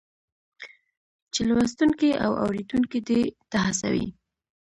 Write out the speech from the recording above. چې لوستونکی او اورېدونکی دې ته هڅوي